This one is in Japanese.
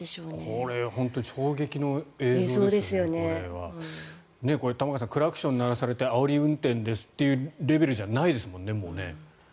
これ、玉川さんクラクションを鳴らされてあおり運転ですっていうレベルじゃないですもんね。